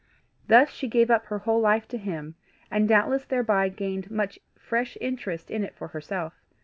Thus she gave up her whole life to him, and doubtless thereby gained much fresh interest in it for herself.